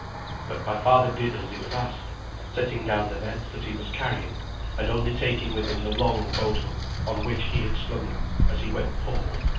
But my father did as he was asked, setting down the nets that he was carrying, and only taking with him the long boathook on which he had slung them as he went forward.